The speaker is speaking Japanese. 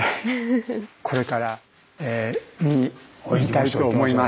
これから見に行きたいと思います。